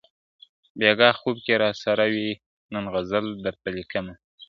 بېګا خوب کي راسره وې نن غزل درته لیکمه ,